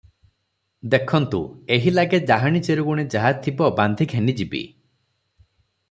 ଦେଖନ୍ତୁ, ଏହିଲାଗେ ଡାହାଣୀ ଚିରିଗୁଣୀ ଯାହାଥିବ ବାନ୍ଧି ଘେନିଯିବି ।"